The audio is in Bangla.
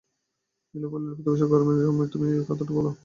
নীলু বলল, প্রতি বছর গরমের সময় তুমি এই কথাটা বলো।